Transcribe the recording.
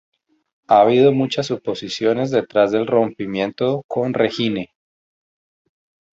Ha habido muchas suposiciones detrás del rompimiento con Regine.